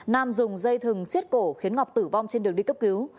nam dùng dây thừng xiết cổ khiến ngọc tử vong trên đường đi cấp cứu